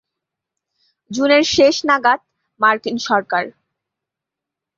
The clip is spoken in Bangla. জুনের শেষ নাগাদ মার্কিন সরকার।